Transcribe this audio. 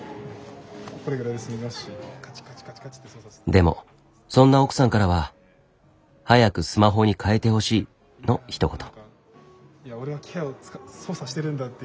でもそんな奥さんからは「早くスマホに換えてほしい」のひと言。